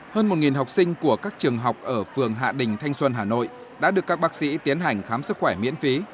hơn một học sinh của các trường học ở phường hạ đình thanh xuân hà nội đã được các bác sĩ tiến hành khám sức khỏe miễn phí